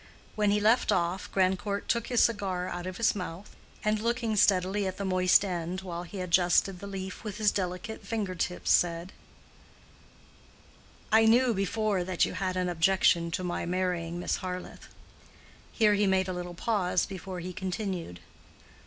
When he left off, Grandcourt took his cigar out of his mouth, and looking steadily at the moist end while he adjusted the leaf with his delicate finger tips, said, "I knew before that you had an objection to my marrying Miss Harleth." Here he made a little pause before he continued.